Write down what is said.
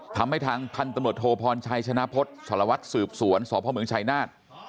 ทำให้ทางพันธุ์ตำรวจโทพรชัยชนะพฤษสารวัตรสืบสวนสพเมืองชัยนาฏ